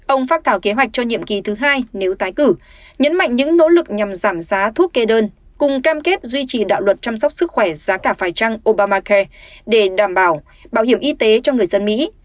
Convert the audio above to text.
ông phát thảo kế hoạch cho nhiệm kỳ thứ hai nếu tái cử nhấn mạnh những nỗ lực nhằm giảm giá thuốc kê đơn cùng cam kết duy trì đạo luật chăm sóc sức khỏe giá cả phải trăng obamacare để đảm bảo bảo hiểm y tế cho người dân mỹ